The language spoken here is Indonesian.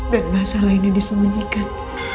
dan masalah ini disemunyikan